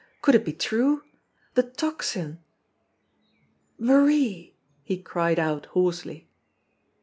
Could it be true? The Tocsin! "Marie !" he cried out hoarsely.